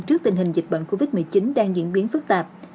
trước tình hình dịch bệnh covid một mươi chín đang diễn biến phức tạp